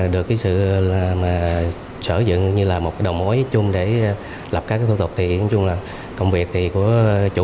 được cái sự sở dựng như là một cái đầu mối chung để lập các thủ tục thì công việc thì của chủ